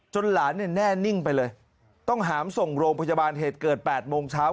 หลานเนี่ยแน่นิ่งไปเลยต้องหามส่งโรงพยาบาลเหตุเกิด๘โมงเช้า